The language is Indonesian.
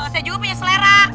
saya juga punya selera